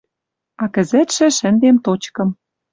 А кӹзӹтшӹ шӹндем точкым